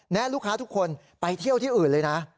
ลูกค้าทุกคนไปเที่ยวที่อื่นเลยนะ